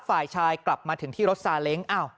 ฝ่ายชายกลับมาถึงที่รถซาเล้ง